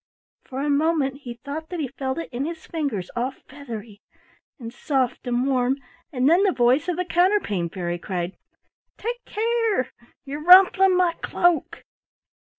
For a moment he thought that he felt it in his fingers, all feathery and soft and warm, and then the voice of the Counterpane Fairy cried, "Take care! you're rumpling my cloak!"